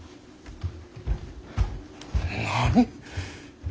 何。